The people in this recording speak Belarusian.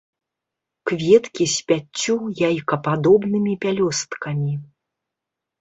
Кветкі з пяццю яйкападобнымі пялёсткамі.